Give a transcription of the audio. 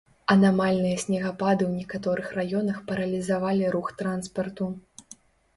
Анамальныя снегапады ў некаторых раёнах паралізавалі рух транспарту.